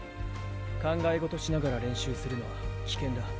考え事しながら練習するのは危険だ。